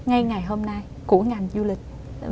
ngay ngày hôm nay của ngành du lịch